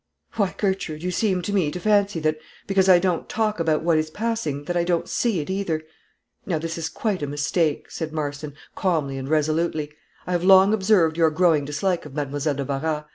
"Why, Gertrude, you seem to me to fancy that, because I don't talk about what is passing, that I don't see it either. Now this is quite a mistake," said Marston, calmly and resolutely "I have long observed your growing dislike of Mademoiselle de Barras.